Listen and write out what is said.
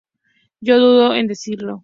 yo dudo en decirlo